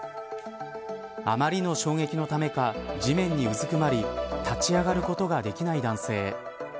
あまりの衝撃のためか地面にうずくまり立ち上がることができない男性。